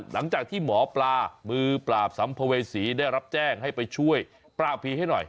หลังจากที่หมอปลามือปราบสัมภเวษีได้รับแจ้งให้ไปช่วยปราบผีให้หน่อย